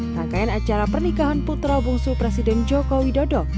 rangkaian acara pernikahan putra bungsu presiden joko widodo